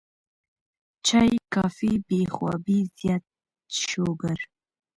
چائے ، کافي ، بې خوابي ، زيات شوګر